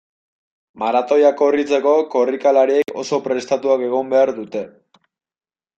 Maratoia korritzeko, korrikalariek oso prestatuak egon behar dute.